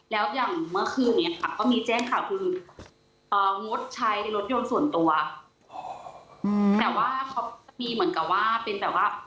แล้วอย่างเมื่อคืนนี้ค่ะก็มีแจ้งข่าวคืองดใช้รถยนต์ส่วนตัวแต่ว่าเขาจะมีเหมือนกับว่าเป็นแบบว่า